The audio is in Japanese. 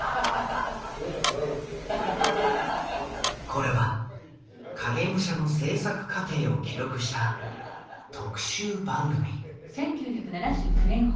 これは「影武者」の製作過程を記録した特集番組。